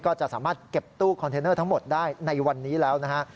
ก็จะสามารถเก็บตู้คอนเทนเนอร์ทั้งหมดได้ในวันนี้แล้วนะฮะ